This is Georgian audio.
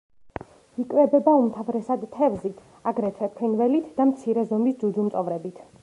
იკვებება უმთავრესად თევზით, აგრეთვე ფრინველით და მცირე ზომის ძუძუმწოვრებით.